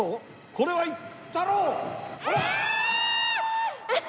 これはいったろう！あっ。